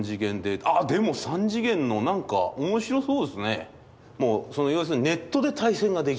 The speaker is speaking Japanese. あっでも三次元の何か面白そうですね。